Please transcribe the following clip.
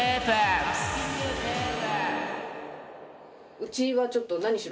うちはちょっと何しろ